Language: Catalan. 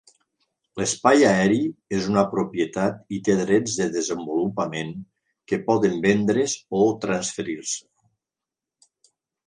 L'espai aeri és una propietat i té drets de desenvolupament que poden vendre's o transferir-se.